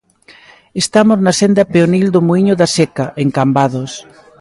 Estamos na senda peonil do muíño da Seca, en Cambados.